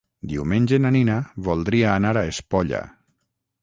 Diumenge na Nina voldria anar a Espolla.